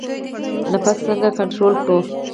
نفس څنګه کنټرول کړو؟